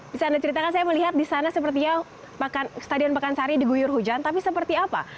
bisa anda ceritakan saya melihat di sana sepertinya stadion pekansari diguyur hujan tapi seperti apa